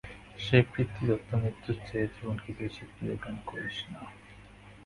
সেই পিতৃদত্ত মৃত্যুর চেয়ে এই জীবনকে বেশি প্রিয় জ্ঞান করিস না।